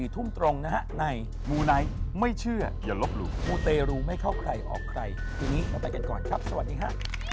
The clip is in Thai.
ทุกวันนี้เราไปกันก่อนครับสวัสดีค่ะ